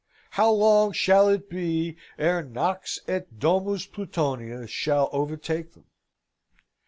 How long shall it be ere Nox et Domus Plutonia shall overtake them?